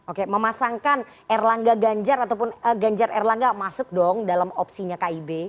oke memasangkan erlangga ganjar ataupun ganjar erlangga masuk dong dalam opsinya kib